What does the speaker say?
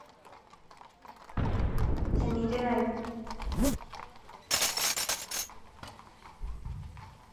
Esporádicamente se emiten algunas historias de otros cronistas y reporteros invitados.